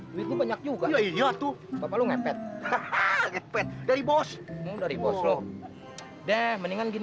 oh itu banyak juga iya tuh bapa lu ngepet ha ha ha dari bos dari bos lo deh mendingan gini